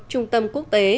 trung tâm quốc tế